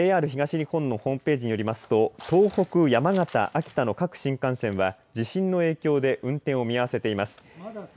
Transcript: ＪＲ東日本のホームページによりますと東北、山形、秋田の各新幹線は地震の影響で運転を見合わせています。